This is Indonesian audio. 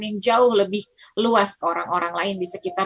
yang jauh lebih luas ke orang orang lain di sekitar